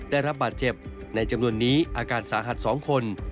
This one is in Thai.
ได้รับบาดเจ็บในจำนวนนี้อาการสาหัส๒คน